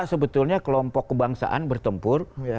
sebetulnya kelompok kebangsaan bertempur